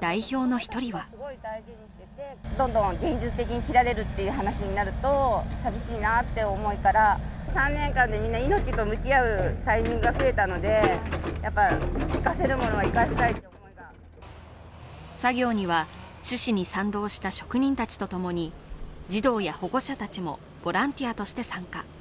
代表の１人は作業には、趣旨に賛同した職人たちとともに児童や保護者たちもボランティアとして参加。